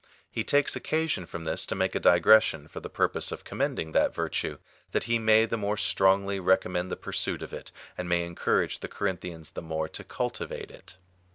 He takes occasion from this to make a digression for the purpose of commending that virtue, that he may the more strongly re commend the pursuit of it, and may encourage the Corin thians the more to cultivate it.